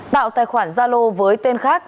tạo tài khoản zalo với tên khác